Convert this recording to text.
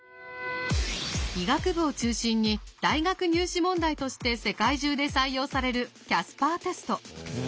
医学部を中心に大学入試問題として世界中で採用されるキャスパーテスト。